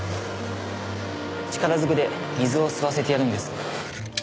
力ずくで水を吸わせてやるんです。